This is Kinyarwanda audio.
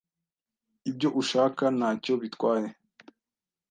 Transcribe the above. Ibyo ushaka ntacyo bitwaye.